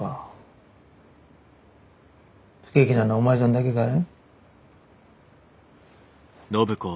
不景気なのはお前さんだけかい？